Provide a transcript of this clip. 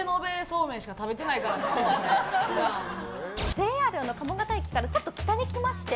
ＪＲの鴨方駅からちょっと北に来まして。